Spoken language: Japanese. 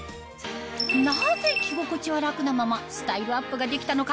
なぜ着心地は楽なままスタイルアップができたのか？